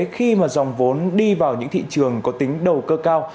khi mà dòng vốn đi vào những thị trường có tính đầu cơ cao